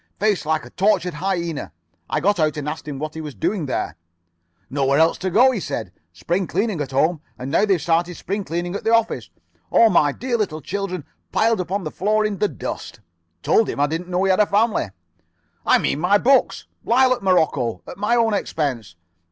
Face like a tortured hyena. I got out and asked him what he was doing there. "'Nowhere else to go,' he said. 'Spring cleaning at home. And now they've started spring cleaning at the office. All my dear little children piled up on the floor in the dust.' "Told him I didn't know he had a family. "'I mean my books. Lilac morocco. At my own expense.